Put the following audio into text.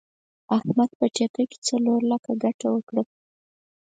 احمد په ټېکه کې څلور لکه ګټه وکړه.